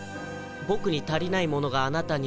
僕に足りないものがあなたにある。